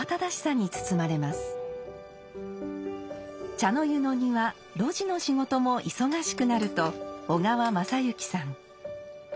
茶の湯の庭露地の仕事も忙しくなると小河正行さん。